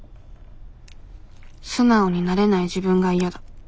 素直になれない自分が嫌だ。